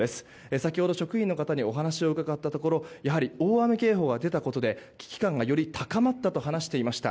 先ほど職員の方にお話を伺ったところやはり大雨警報が出たということで危機感がより高まったと話していました。